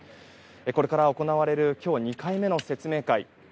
これから行われる今日２回目の説明会。